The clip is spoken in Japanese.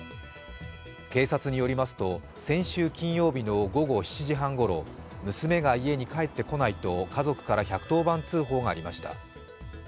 警察によりますと、先週金曜日の午後７時半ごろ、娘が家に帰ってこないと家族から１１０番通報がありました。